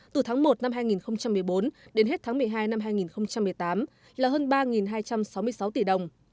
từ tháng một năm hai nghìn một mươi bốn đến hết tháng một mươi hai năm hai nghìn một mươi tám là hơn ba hai trăm sáu mươi sáu tỷ đồng